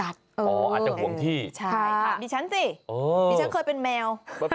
อาจจะห่วงที่ใช่ถามดิฉันสิดิฉันเคยเป็นแมว